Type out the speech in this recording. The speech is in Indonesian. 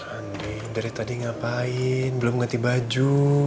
andin dari tadi ngapain belum nganti baju